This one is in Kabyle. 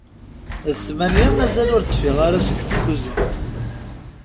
D tmanya mazal ur d-teffiɣ ara seg tkuzint.